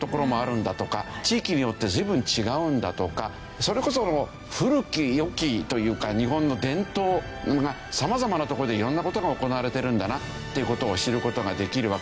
地域によって随分違うんだとかそれこそ古き良きというか日本の伝統が様々な所で色んな事が行われてるんだなっていう事を知る事ができるわけだし。